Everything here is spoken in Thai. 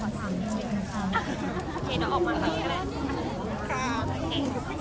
โอเคแล้วออกมาดูไป